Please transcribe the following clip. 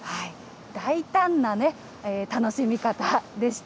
大胆な楽しみ方でした。